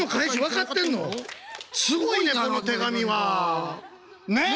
すごいねその手紙はねえ。